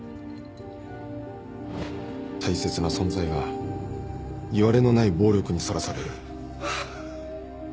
大切な存在がいわれのない暴力にさらされる。